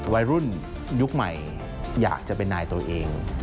วัยรุ่นยุคใหม่อยากจะเป็นนายตัวเอง